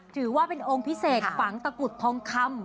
ถือว่าเป็นองค์พิเศษฝังตะกุดทองคำ